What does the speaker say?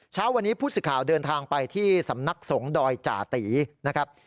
เช้าวันนี้ผู้สื่อข่าวเดินทางไปที่สำนักสงฆ์ดอยจ่าตีนะครับ